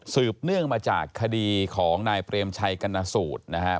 สืบเนื่องมาจากคดีของนายเตรียมชัยกัณศูนย์นะครับ